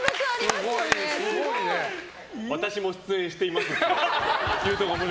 私も出演していますって。